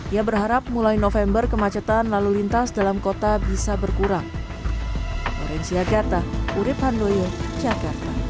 ia berharap mulai november kemacetan lalu lintas dalam kota bisa berkurang